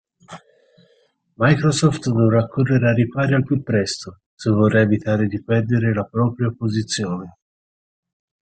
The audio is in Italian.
Microsoft dovrà correre ai ripari al più presto se vorrà evitare di perdere la propria posizione.